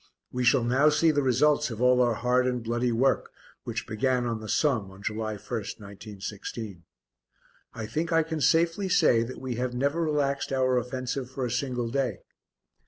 We shall now see the results of all our hard and bloody work, which began on the Somme on July 1st, 1916. I think I can safely say that we have never relaxed our offensive for a single day.